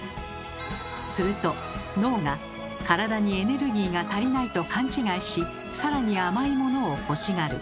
すると脳が体にエネルギーが足りないと勘違いしさらに甘いものを欲しがる。